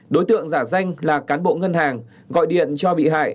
đối tượng giả danh là cán bộ ngân hàng gọi điện cho bị hại